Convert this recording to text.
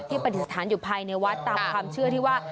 ปฏิสถานอยู่ภายในวัดตามความเชื่อที่ว่า